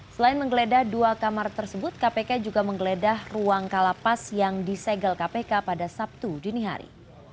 selain menggeledah dua kamar tersebut kpk juga menggeledah ruang kalapas yang disegel kpk pada sabtu dini hari